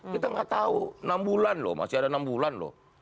kita nggak tahu enam bulan loh masih ada enam bulan loh